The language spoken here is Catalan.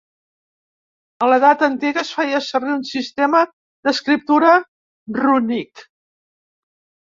A l'edat antiga, es feia servir un sistema d'escriptura rúnic.